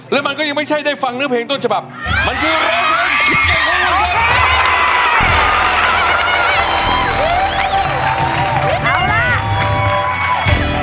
และมันก็ยังไม่ใช่ได้ฟังเนื้อเพลงต้นฉบับมันคือร้องเพลง